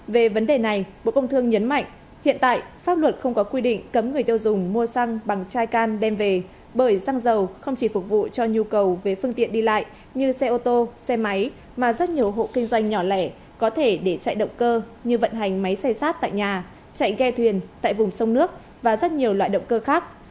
về vấn đề này bộ công thương nhấn mạnh hiện tại pháp luật không có quy định cấm người tiêu dùng mua xăng bằng chai can đem về bởi xăng dầu không chỉ phục vụ cho nhu cầu về phương tiện đi lại như xe ô tô xe máy mà rất nhiều hộ kinh doanh nhỏ lẻ có thể để chạy động cơ như vận hành máy xe sát tại nhà chạy ghe thuyền tại vùng sông nước và rất nhiều loại động cơ khác